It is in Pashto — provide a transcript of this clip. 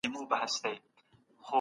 خلګ د اعلانونو تر اغېز لاندي راځي.